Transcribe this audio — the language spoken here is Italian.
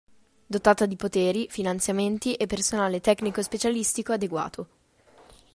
Dotata di poteri, finanziamenti e personale tecnico e specialistico adeguato.